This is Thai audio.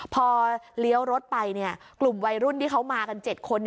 พอเลี้ยวรถไปกลุ่มวัยรุ่นที่เขามากัน๗คน